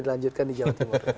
dilanjutkan di jawa timur